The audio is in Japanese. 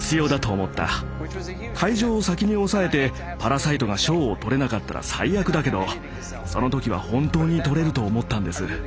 会場を先に押さえて「パラサイト」が賞を取れなかったら最悪だけどその時は本当に取れると思ったんです。